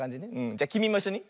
じゃきみもいっしょに。